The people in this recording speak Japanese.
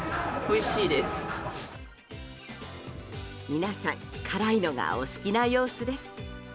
皆さん辛いのがお好きな様子です。